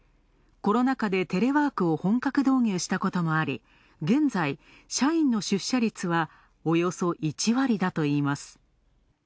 コロナ禍でテレワークを本格導入したこともあり、現在、社員の出社率はおよそ１割だといいます。